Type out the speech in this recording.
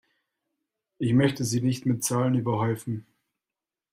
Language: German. Ich möchte Sie nicht mit Zahlen überhäufen.